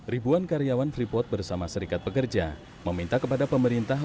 ribuan karyawan freeport bersama serikat pekerja meminta kepada pemerintah